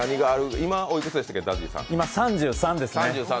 今、３３歳ですね。